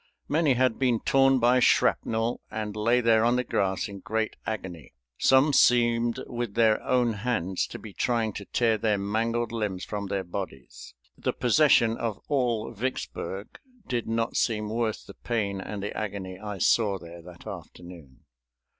Many had been torn by shrapnel and lay there on the grass in great agony. Some seemed with their own hands to be trying to tear their mangled limbs from their bodies. The possession of all Vicksburg did not seem worth the pain and the agony I saw there that afternoon.